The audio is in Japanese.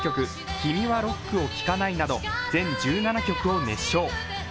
「君はロックを聴かない」など全１７曲を熱唱。